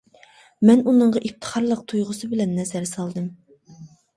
مەن ئۇنىڭغا ئىپتىخارلىق تۇيغۇسى بىلەن نەزەر سالدىم.